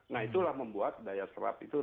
nah itulah membuat daya serap itu